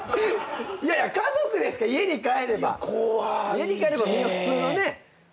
家に帰ればみんな普通のね。